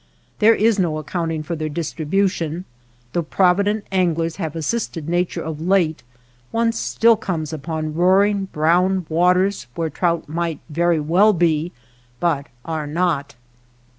There is no account ing for their distribution ; though provident 213 WATER BORDERS anglers have assisted nature of late, one still comes upon roaring brown waters where trout might very well be, but are not.